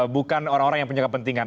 bukan orang orang yang punya kepentingan